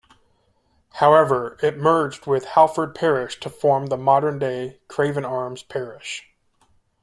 However it merged with Halford parish to form the modern day Craven Arms parish.